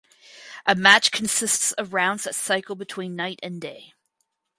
A match consists of rounds that cycle between night and day.